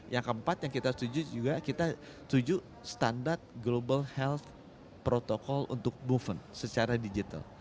yang keempat yang kita setuju juga kita tuju standar global health protocol untuk movement secara digital